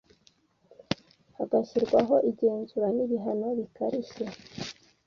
Hagashyirwaho igenzura n’ibihano bikarishye